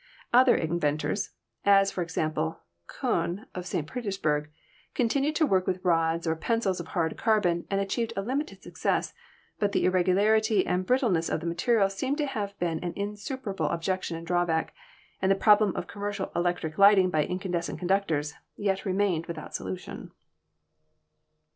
Other inventors, as, for example, Konn, of St. Petersburg, continued to work with rods or pencils of hard carbon and achieved a limited success, but the irregularity and brit tleness of the material seem to have been an insuperable objection and drawback, and the problem of commercial electric lighting by incandescent conductors yet remained without a solution.